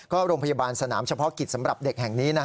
ก็โรงพยาบาลสนามเฉพาะกิจสำหรับเด็กแห่งนี้